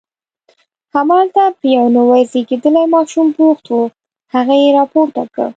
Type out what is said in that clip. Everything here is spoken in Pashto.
همالته په یو نوي زیږېدلي ماشوم بوخت و، هغه یې راپورته کړ.